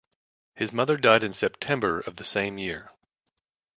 His mother died in September of the same year.